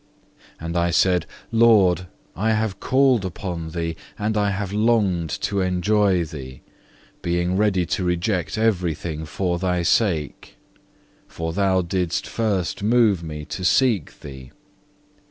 7. And I said Lord, I have called upon Thee, and I have longed to enjoy Thee, being ready to reject everything for Thy sake. For Thou didst first move me to seek Thee.